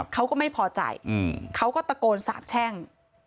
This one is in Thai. เขาก็ไม่พอใจเขาก็ตะโกนสาบแช่ง